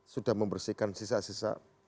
sudah membersihkan sisa sisa